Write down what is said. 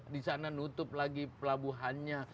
di sana nutup lagi pelabuhannya